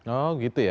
oh gitu ya